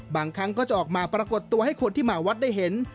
บางครั้งก็จะออกมาปรากฏตัวให้คนที่มาวัดได้เห็น